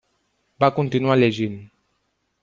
Va continuar llegint.